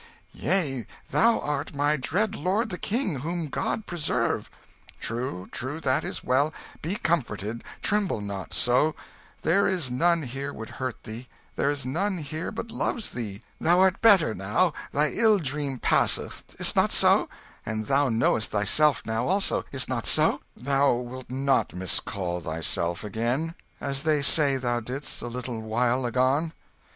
"Yea: thou art my dread lord the King, whom God preserve!" "True, true that is well be comforted, tremble not so; there is none here would hurt thee; there is none here but loves thee. Thou art better now; thy ill dream passeth is't not so? Thou wilt not miscall thyself again, as they say thou didst a little while agone?"